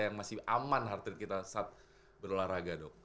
yang masih aman heart rate kita saat berolahraga dok